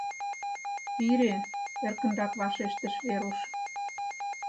— Пире, — эркынрак вашештыш Веруш.